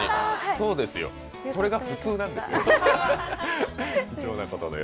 そうですよ、それが普通なんですよ。